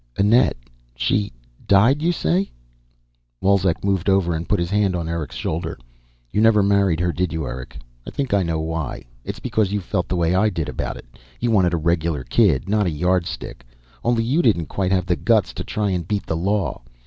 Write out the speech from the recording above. "Annette. She died, you say?" Wolzek moved over and put his hand on Eric's shoulder. "You never married, did you, Eric? I think I know why. It's because you felt the way I did about it. You wanted a regular kid, not a Yardstick. Only you didn't quite have the guts to try and beat the law.